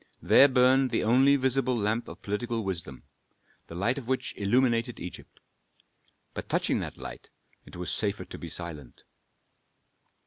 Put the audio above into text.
There burned the only visible lamp of political wisdom, the light of which illuminated Egypt. But touching that light, it was safer to be silent.